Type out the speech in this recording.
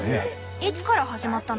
いつから始まったの？